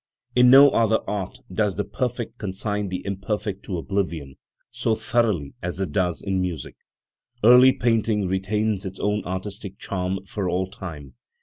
In no other art does the perfect consign the imperfect to oblivion so thoroughly as it does in music. Early painting retains its own artistic charm for all time.